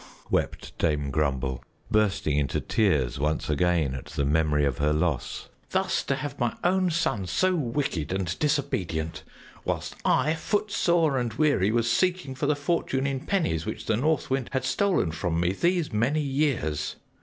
wept Dame Grumble, bursting into tears once again at the memory of her loss. "Thus to have my own son so wicked and disobedient, whilst I, footsore and weary, was seeking for the fortune in pennies which the North Wind had stolen from me these many years!